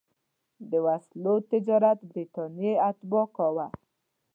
د وسلو تجارت برټانیې اتباعو کاوه.